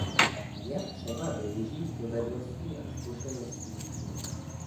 Je třeba využít dovedností a zkušeností žen.